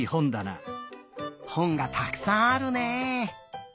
ほんがたくさんあるね。